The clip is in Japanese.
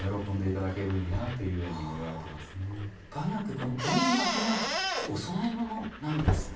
この音楽がお供え物なんですね。